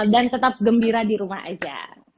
dan tetap gembira di rumah aja